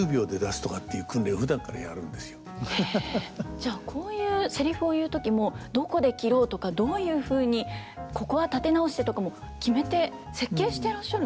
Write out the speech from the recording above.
じゃあこういうセリフを言う時もどこで切ろうとかどういうふうにここは立て直してとかも決めて設計してらっしゃるんですね。